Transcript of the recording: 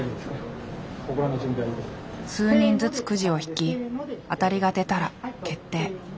数人ずつくじを引き当たりが出たら決定。